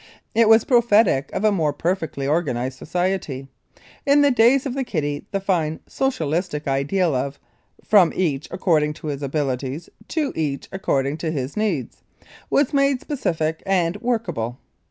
It was prophetic of a more perfectly organized society. In the days of the kitty the fine Socialistic ideal of, "From each according to his abilities; to each according to his needs," was made specific and workable.